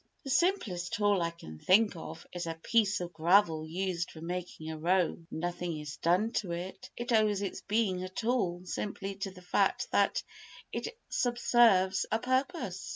The simplest tool I can think of is a piece of gravel used for making a road. Nothing is done to it, it owes its being a tool simply to the fact that it subserves a purpose.